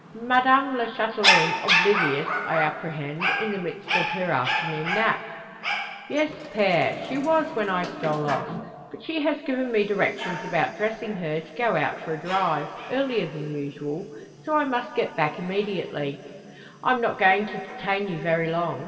Madame la Chatelaine oblivious, I apprehend; in the midst of her afternoon nap?" "Yes, Pere; she was when I stole off. But she has given me directions about dressing her, to go out for a drive earlier than usual. So I must get back immediately." "I'm not going to detain you very long.